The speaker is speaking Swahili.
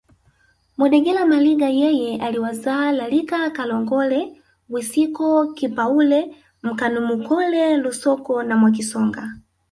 Mudegela Maliga yeye aliwazaa Lalika Kalongole Wisiko Kipaule Mkanumkole Lusoko na Mwakisonga